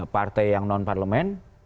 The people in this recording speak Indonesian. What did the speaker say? partai yang non parlemen